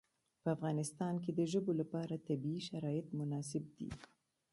په افغانستان کې د ژبو لپاره طبیعي شرایط مناسب دي.